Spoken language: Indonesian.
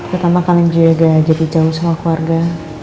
terutama kalian juga gak jadi jauh sama keluarga